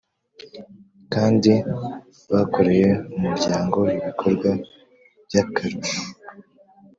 kandi bakoreye Umuryango ibikorwa by akarusho